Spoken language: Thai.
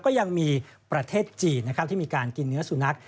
ก็ยังมีประเทศจีนนะครับที่มีการกินเนื้อสุนัข